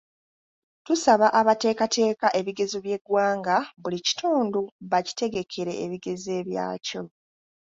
Tusaba abateekateeka ebigezo by'eggwanga buli kitundu bakitegekere ebigezo ebyakyo.